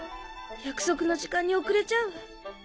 約束の時間に遅れちゃうわ。